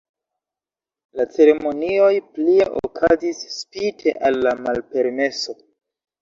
La ceremonioj plie okazis spite al la malpermeso.